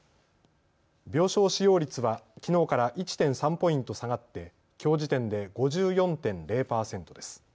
病床使用率はきのうから１．３ポイント下がってきょう時点で５４．０％です。